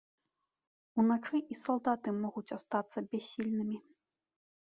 Уначы і салдаты могуць астацца бяссільнымі.